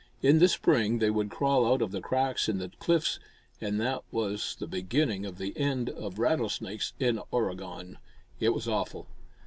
In the spring they would crawl out of the cracks in the cliffs, and that was the beginning of the end of rattlesnakes in Oregon. It was awful!